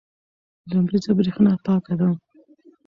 لمریزه برېښنا پاکه ده.